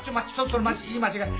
その言い間違い。